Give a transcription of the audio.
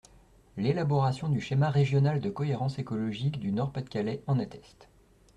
L’élaboration du schéma régional de cohérence écologique du Nord-Pas-de-Calais en atteste.